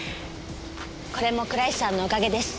これも倉石さんのおかげです。